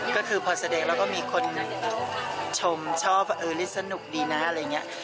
ก็คือพอแสดงเราก็มีคนชมชอบเล่นสนุกดีนะอะไรอย่างนี้